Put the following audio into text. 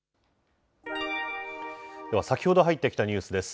では先ほど入ってきたニュースです。